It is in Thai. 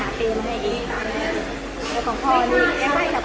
เราก็ไปหาเตรียมให้เอกตัง